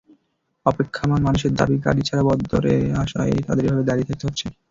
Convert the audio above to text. অপেক্ষমাণ মানুষের দাবি, গাড়ি ছাড়া বন্দরে আসায় তাঁদের এভাবে দাঁড়িয়ে থাকতে হচ্ছে।